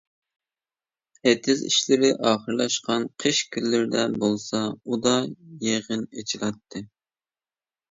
ئېتىز ئىشلىرى ئاخىرلاشقان قىش كۈنلىرىدە بولسا ئودا يىغىن ئېچىلاتتى.